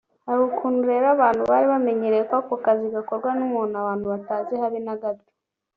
hari ukuntu rero abantu bari bamenyereye ko ako kazi gakorwa n’umuntu abantu batazi habe na gato